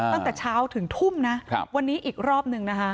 ตั้งแต่เช้าถึงทุ่มนะวันนี้อีกรอบหนึ่งนะคะ